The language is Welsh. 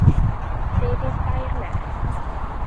Bu iddynt dair merch.